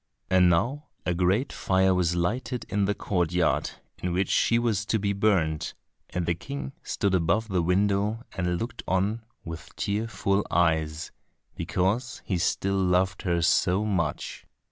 And now a great fire was lighted in the courtyard in which she was to be burnt, and the King stood above at the window and looked on with tearful eyes, because he still loved her so much.